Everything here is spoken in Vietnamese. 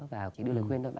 và chỉ đưa lời khuyên thôi